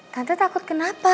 tante takut kenapa